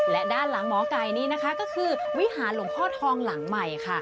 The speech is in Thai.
และด้านหลังหมอไก่นี้นะคะก็คือวิหารหลวงพ่อทองหลังใหม่ค่ะ